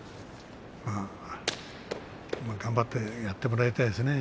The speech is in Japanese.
まあ頑張ってやってもらいたいですね。